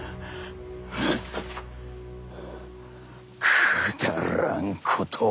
くだらんことを。